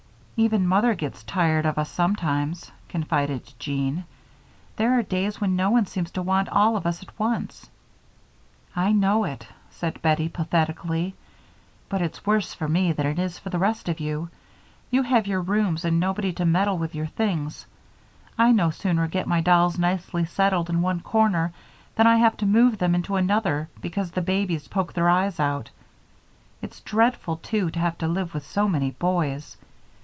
"Even Mother gets tired of us sometimes," confided Jean. "There are days when no one seems to want all of us at once." "I know it," said Bettie, pathetically, "but it's worse for me than it is for the rest of you. You have your rooms and nobody to meddle with your things. I no sooner get my dolls nicely settled in one corner than I have to move them into another, because the babies poke their eyes out. It's dreadful, too, to have to live with so many boys.